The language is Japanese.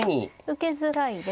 受けづらいですね。